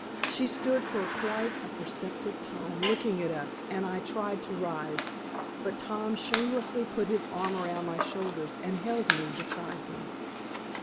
She stood for quite a perceptible time looking at us, and I tried to rise. But Tom shamelessly put his arm around my shoulders and held me beside him.